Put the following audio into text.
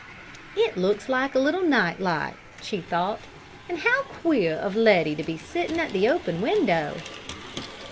"It looks like a little night light!" she thought. "And how queer of Letty to be sitting at the open window!"